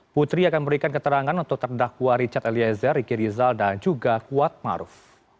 putri akan memberikan keterangan untuk terdakwa richard eliezer ricky rizal dan juga kuat maruf